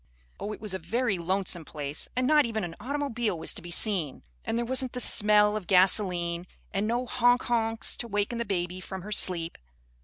Oh, it was a very lonesome place, and not even an automobile was to be seen, and there wasn't the smell of gasoline, and no "honk honks" to waken the baby from her sleep.